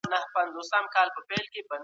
استازي به انفرادي حقونه خوندي کړي.